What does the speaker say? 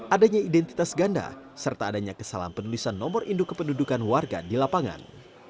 adanya identitas ganda serta adanya kesalahan penulisan nomor induk kependudukan warga di lapangan